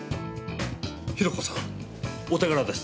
ヒロコさん、お手柄です。